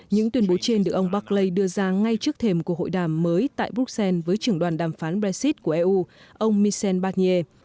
những tuyên bố trên được ông barklay đưa ra ngay trước thềm của hội đàm mới tại bruxelles với trưởng đoàn đàm phán brexit của eu ông michel barnier